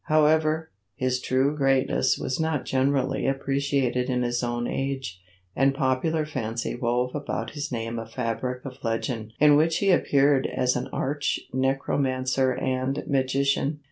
However, his true greatness was not generally appreciated in his own age, and popular fancy wove about his name a fabric of legend in which he appeared as an arch necromancer and magician.